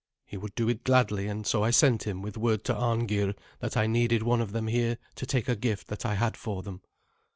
He would do it gladly; and so I sent him with word to Arngeir that I needed one of them here to take a gift that I had for them.